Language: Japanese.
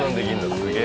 すげえ。